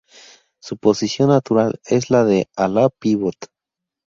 Su posición natural es la de Ala-Pivot.